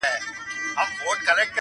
که پنځه کسه راښکيل وي پردي غم کي